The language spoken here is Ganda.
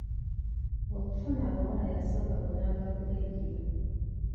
Okufuna abawala yasooka kulanga ku leediyo.